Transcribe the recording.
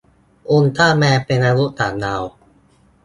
อุลตร้าแมน เป็นมนุษย์ต่างดาว